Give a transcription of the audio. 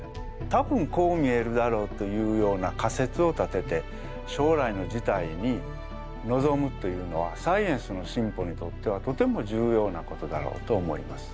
多分こう見えるだろうというような仮説を立てて将来の事態にのぞむというのはサイエンスの進歩にとってはとても重要なことだろうと思います。